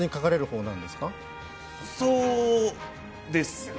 そうです。